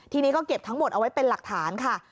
ทีนี้ก็เก็บทั้งหมดเอาไว้เป็นหลักฐานค่ะ